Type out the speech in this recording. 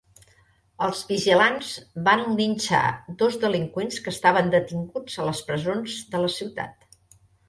Els vigilants van linxar dos delinqüents que estaven detinguts a les presons de la ciutat.